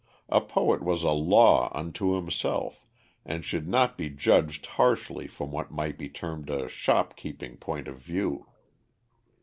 A poet was a law unto himself, and should not be judged harshly from what might be termed a shopkeeping point of view.